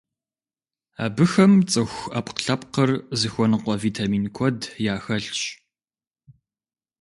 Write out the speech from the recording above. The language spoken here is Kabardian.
Абыхэм цӀыху Ӏэпкълъэпкъыр зыхуэныкъуэ витамин куэд яхэлъщ.